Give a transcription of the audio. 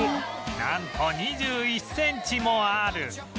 なんと２１センチもある